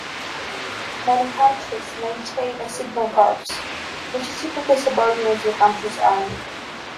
Many countries maintain a signal corps, which is typically subordinate to a country's army.